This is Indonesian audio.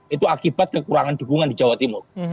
itu akibat kekurangan dukungan di jawa timur